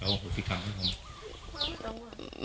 เราสิทธิ์คำให้เขา